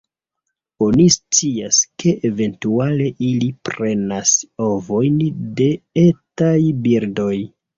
Oni scias, ke eventuale ili prenas ovojn de etaj birdoj.